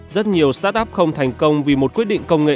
rất nhiều start up không thành công vì một quyết định công nghệ